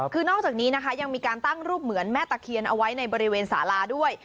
คือนอกจากนี้นะคะยังมีการตั้งรูปเหมือนแม่ตะเคียนเอาไว้ในบริเวณสาราด้วย